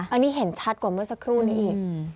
อันนี้เห็นชัดกว่าเมื่อสักครู่นี้อีก